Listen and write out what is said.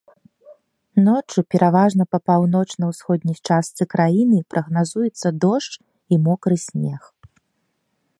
Ноччу пераважна па паўночна-ўсходняй частцы краіны прагназуюцца дождж і мокры снег.